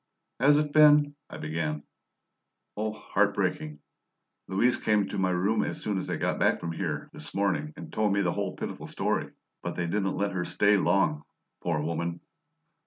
"Has it been " I began. "Oh, heart breaking! Louise came to my room as soon as they got back from here, this morning, and told me the whole pitiful story. But they didn't let her stay there long, poor woman!"